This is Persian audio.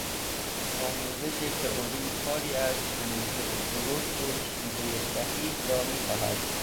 آموزش تئوری کاری است که موضع درست و شیوهٔ صحیح را میخواهد.